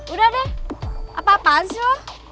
udah deh apa apaan sih lo